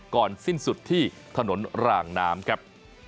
ก่อนสิ้นสุดที่ถนนรางน้ำครับ